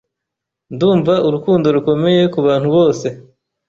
Ndumva urukundo rukomeye kubantu bose.